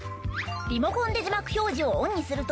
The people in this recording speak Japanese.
リモコンで字幕表示をオンにすると。